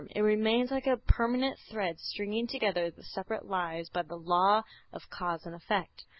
It remains like a permanent thread stringing together the separate lives by the law of cause and effect.